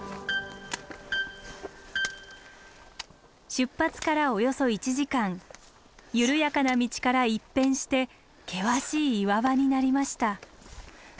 出発からおよそ１時間緩やかな道から一変して険しい岩場になりました。